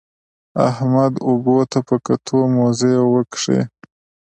احمد اوبو ته په کتو؛ موزې وکښې.